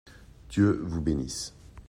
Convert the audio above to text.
Dieu vous bénisse !